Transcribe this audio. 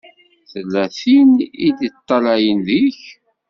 Tella tin i d-iṭṭalayen deg-k.